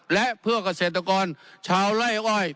และเพื่อเกษตรกรชาวไล่อ้อย